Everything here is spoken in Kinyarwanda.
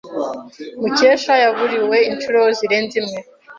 Mukesha yaburiwe inshuro zirenze imwe.